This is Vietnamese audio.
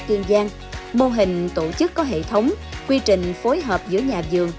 kiên gian mô hình tổ chức có hệ thống quy trình phối hợp giữa nhà dường